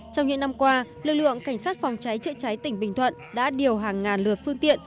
trong những năm qua lực lượng cảnh sát phòng cháy chữa cháy tỉnh bình thuận đã điều hàng ngàn lượt phương tiện